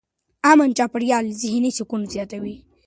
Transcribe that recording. امن چاپېریال ذهني سکون زیاتوي.